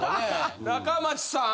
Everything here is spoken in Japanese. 中町さん。